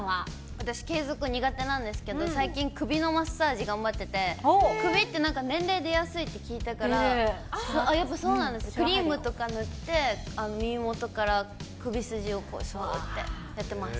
私、継続苦手なんですけど、最近、首のマッサージ頑張ってて、首ってなんか年齢出やすいって聞いたから、やっぱそうなんです、クリームとか塗って、耳元から首筋をすーってやってます。